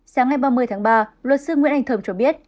sáng ngày ba mươi tháng ba luật sư nguyễn anh thơm cho biết